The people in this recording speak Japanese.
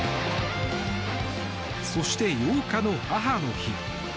そして、８日の母の日。